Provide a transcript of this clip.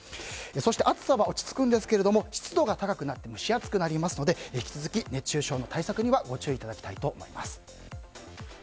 そして、暑さは落ち着くんですけれども湿度が高くなって蒸し暑くなりますので引き続き熱中症の対策にはご注意いただきたいと思います。